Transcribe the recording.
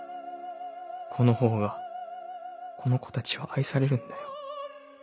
このほうがこの子たちは愛されるんだよ。